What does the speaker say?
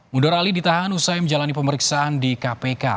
mudorali ditahan usai menjalani pemeriksaan di kpk